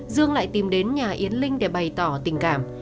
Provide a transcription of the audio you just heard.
dương lại tìm đến nhà yến linh để bày tỏ tình cảm